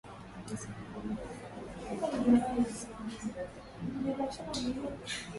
ni saa mbili na dakika thelathini na tatu kwa saa za afrika mashariki